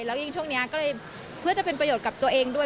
แล้วยิ่งช่วงนี้ก็เลยเพื่อจะเป็นประโยชน์กับตัวเองด้วย